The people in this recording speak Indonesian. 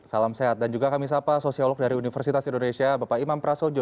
salam sehat dan juga kami sapa sosiolog dari universitas indonesia bapak imam prasojo